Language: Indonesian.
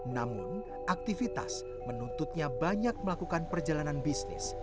namun aktivitas menuntutnya banyak melakukan perjalanan bisnis